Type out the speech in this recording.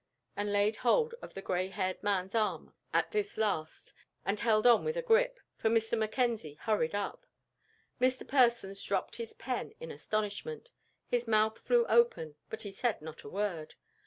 He laid hold of the gray haired man's arm at this last, and held on with a grip, for Mr. McKenzie hurried up. Mr. Persons dropped his pen in astonishment. His mouth flew open, but he said not a word.